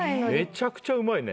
めちゃくちゃうまいね。